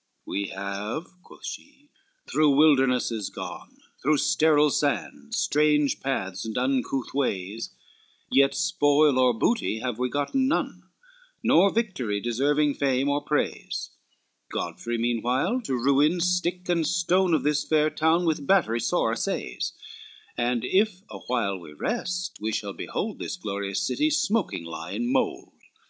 IX "We have." Quoth she, "through wildernesses gone, Through sterile sands, strange paths, and uncouth ways, Yet spoil or booty have we gotten none, Nor victory deserving fame or praise, Godfrey meanwhile to ruin stick and stone Of this fair town, with battery sore assays; And if awhile we rest, we shall behold This glorious city smoking lie in mould.